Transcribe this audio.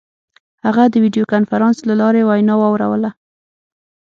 هغه د ویډیو کنفرانس له لارې وینا واوروله.